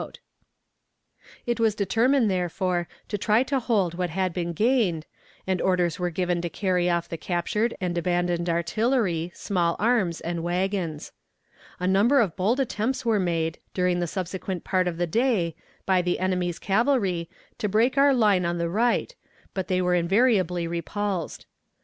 It was determined, therefore, to try to hold what had been gained, and orders were given to carry off the captured and abandoned artillery, small arms, and wagons. A number of bold attempts were made, during the subsequent part of the day, by the enemy's cavalry, to break our line on the right, but they were invariably repulsed.